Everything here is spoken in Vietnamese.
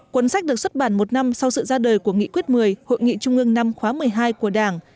cuốn sách được xuất bản một năm sau sự ra đời của nghị quyết một mươi hội nghị trung ương năm khóa một mươi hai của đảng